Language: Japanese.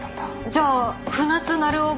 じゃあ船津成男が。